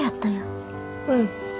うん。